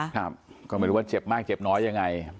ครับก็ไม่รู้ว่าเจ็บมากเจ็บน้อยยังไง